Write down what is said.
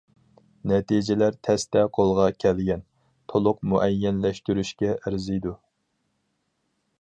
نەتىجىلەر تەستە قولغا كەلگەن، تولۇق مۇئەييەنلەشتۈرۈشكە ئەرزىيدۇ.